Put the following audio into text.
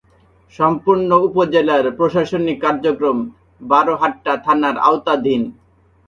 সম্পূর্ণ উপজেলার প্রশাসনিক কার্যক্রম বারহাট্টা থানার আওতাধীন।